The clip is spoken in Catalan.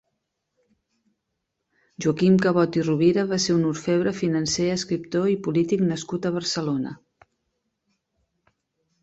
Joaquim Cabot i Rovira va ser un orfebre, financer, escriptor i polític nascut a Barcelona.